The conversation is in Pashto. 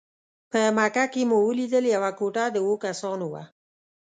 په مکه کې مو ولیدل یوه کوټه د اوو کسانو وه.